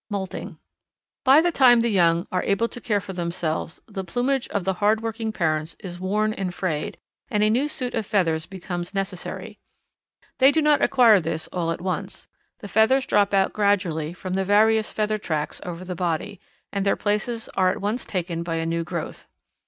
Moulting. By the time the young are able to care for themselves the plumage of the hard working parents is worn and frayed and a new suit of feathers becomes necessary. They do not acquire this all at once. The feathers drop out gradually from the various feather tracts over the body, and their places are at once taken by a new growth.